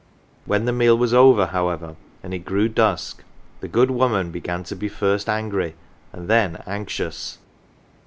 1 ' When the meal was over, however, and it grew dusk, the good woman began to be first angry, and then anxious.